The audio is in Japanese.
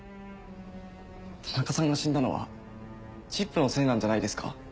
田中さんが死んだのはチップのせいなんじゃないですか？